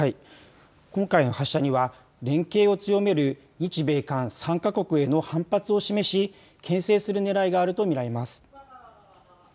今回の発射には連携を強める日米韓３か国への反発を示しけん制するねらいがあると見られます。